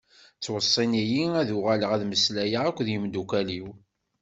Ttweṣṣin-iyi ad uɣaleɣ ad mmeslayeɣ akked yimdukal-iw.